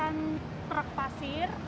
dan truk pasir